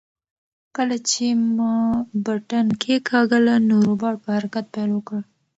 کله چې ما بټن کېکاږله نو روبوټ په حرکت پیل وکړ.